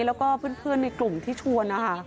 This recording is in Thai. แล้วก็เพื่อนในกลุ่มที่ชวนนะคะ